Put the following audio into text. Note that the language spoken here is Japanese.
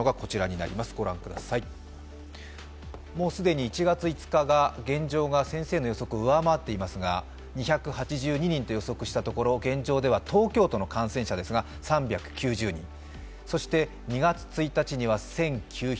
もう既に１月５日が現状が先生の予測を上回っていますが、２８２人と予測したところ現状では東京都の感染者ですが３９０人、そして２月１日には１９００人。